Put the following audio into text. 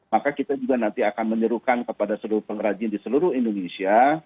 maka kita juga nanti akan menyerukan kepada seluruh pengrajin di seluruh indonesia